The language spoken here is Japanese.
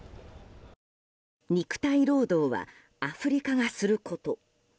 「肉体労働はアフリカがすること」。